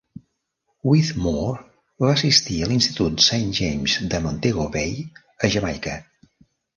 Whitmore va assistir a l'institut Saint James de Montego Bay, Jamaica.